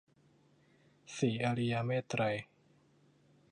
ศรีอริยเมตตรัย